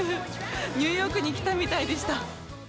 ニューヨークに来たみたいでした。